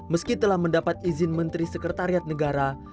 meski telah mendapat izin menteri sekretariat negara